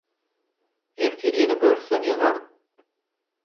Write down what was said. Ertir ýene böwürslen ýygaryn.